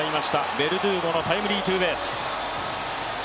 ベルドゥーゴのタイムリーツーベース。